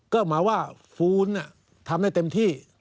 ก็หมายว่าฟูนทำได้เต็มที่